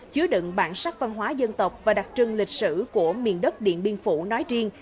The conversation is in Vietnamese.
chứa đựng bản sắc văn hóa dân tộc và đặc trưng lịch sử của miền đất điện biên phủ nói riêng